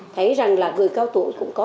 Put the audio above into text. thấy rằng là người cao tuổi cũng có